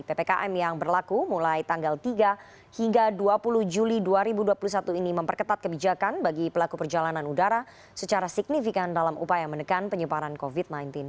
ppkm yang berlaku mulai tanggal tiga hingga dua puluh juli dua ribu dua puluh satu ini memperketat kebijakan bagi pelaku perjalanan udara secara signifikan dalam upaya menekan penyebaran covid sembilan belas